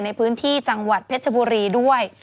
ในพื้นที่จังหวัดเพชรบุรีด้วย